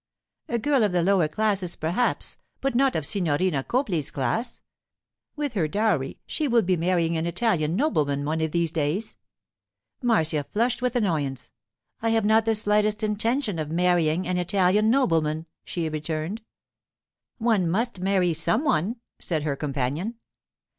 'A girl of the lower classes perhaps, but not of Signorina Copley's class. With her dowry, she will be marrying an Italian nobleman one of these days.' Marcia flushed with annoyance. 'I have not the slightest intention of marrying an Italian nobleman,' she returned. 'One must marry some one,' said her companion.